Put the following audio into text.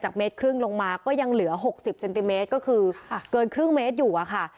เมตรครึ่งลงมาก็ยังเหลือ๖๐เซนติเมตรก็คือเกินครึ่งเมตรอยู่อะค่ะ